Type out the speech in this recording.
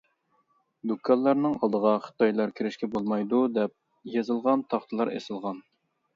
دۇكانلارنىڭ ئالدىغا «خىتايلار كىرىشكە بولمايدۇ!» دەپ يېزىلغان تاختىلار ئېسىلغان.